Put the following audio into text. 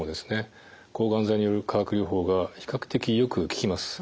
抗がん剤による化学療法が比較的よく効きます。